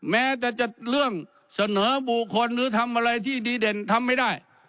แม้แต่จะเรื่องเสนอบุคคลหรือทำอะไรที่ดีเด่นทำไม่ได้